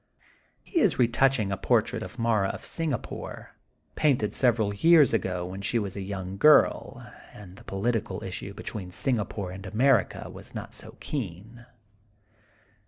He is re touching a portrait of Mara of Singapore, painted several years ago when she was a young girl, and the political issue between 76 THE GOLDEN BOOK OF SPRINGFIELD Singapore and America was not so keen.